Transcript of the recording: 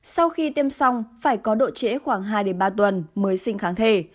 sau khi tiêm xong phải có độ trễ khoảng hai ba tuần mới sinh kháng thể